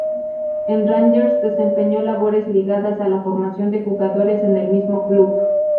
En Rangers desempeñó labores ligadas a la formación de jugadores en el mismo club.